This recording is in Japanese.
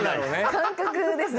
感覚ですね。